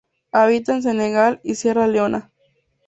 Habita en Senegal y Sierra Leona.